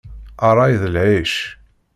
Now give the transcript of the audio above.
Ṛṛay d lɛic.